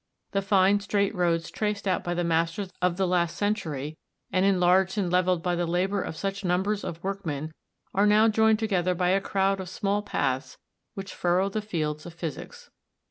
The fine straight roads traced out by the masters of the last century, and enlarged and levelled by the labour of such numbers of workmen, are now joined together by a crowd of small paths which furrow the field of physics.